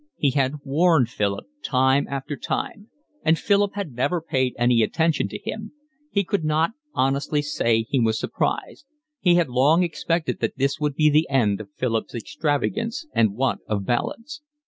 He had warned Philip time after time, and Philip had never paid any attention to him; he could not honestly say he was surprised; he had long expected that this would be the end of Philip's extravagance and want of balance.